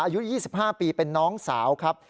อายุ๒๕ปีเป็นน้องสาวครับ